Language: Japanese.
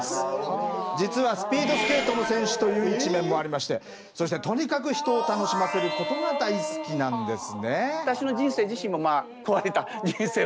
実はスピードスケートの選手という一面もありましてそしてとにかく人を楽しませることが大好きなんですね。